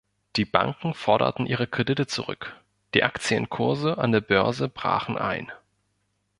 Die Banken forderten ihre Kredite zurück, die Aktienkurse an der Börse brachen ein.